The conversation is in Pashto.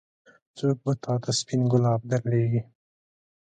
څوک به تا ته سپين ګلاب درلېږي.